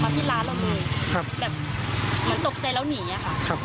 มาที่ร้านเราหนึ่งครับแบบอย่างตกใจแล้วหนีอ่ะค่ะครับ